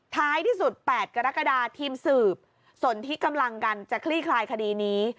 ท้ายที่สุด๘กรกฎาทีมสืบสนทิกำลังกันจะคลี่คลายคดีนี้